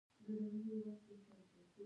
آیا د ایران سینما ښځینه لارښودانې نلري؟